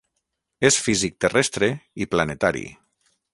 És físic terrestre i planetari.